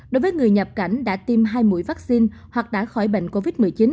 đối với người nhập cảnh đã tiêm hai mũi vaccine hoặc đã khỏi bệnh covid một mươi chín